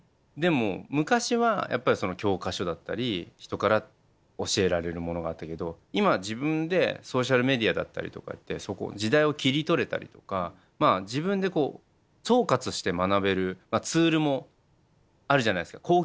でも昔はやっぱり教科書だったり人から教えられるものがあったけど今は自分でソーシャルメディアだったりとかって時代を切り取れたりとか自分でこう総括して学べるツールもあるじゃないですか